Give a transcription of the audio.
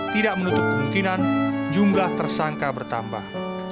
tidak menutup kemungkinan jumlah tersangka bertambah